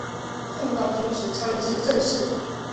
宋高宗时参知政事。